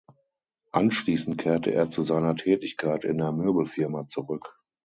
Anschließend kehrte er zu seiner Tätigkeit in der Möbelfirma zurück.